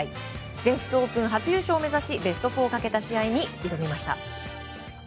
全仏オープン初優勝を目指しベスト４をかけた試合に挑みました。